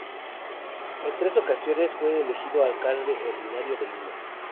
En tres ocasiones fue elegido alcalde ordinario de Lima.